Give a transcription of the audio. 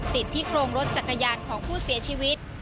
ติดที่โครงรถจักรยานของผู้เสียชีวิต